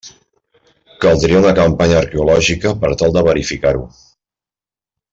Caldria una campanya arqueològica per tal de verificar-ho.